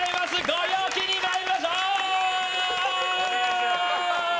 ご陽気に参りましょう。